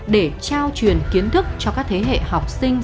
để trao truyền kiến thức cho các thế hệ học sinh